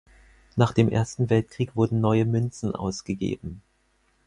Nach dem Ersten Weltkrieg wurden neue Münzen ausgegeben.